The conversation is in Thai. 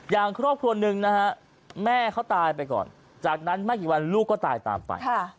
อย่างครอบครัวหนึ่งนะฮะแม่เขาตายไปก่อนจากนั้นไม่กี่วันลูกก็ตายตามไป